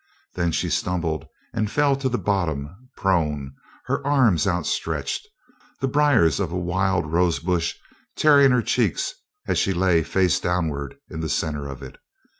Then she stumbled and fell to the bottom, prone, her arms outstretched, the briars of a wild rose bush tearing her cheek as she lay face downward in the center of it.